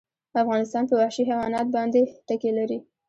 افغانستان په وحشي حیوانات باندې تکیه لري.